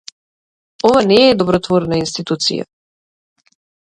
Ова не е добротворна институција.